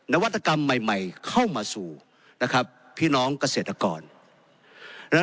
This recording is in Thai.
และวัตกรรมใหม่เข้ามาสู่พี่น้องกเศรษฐกร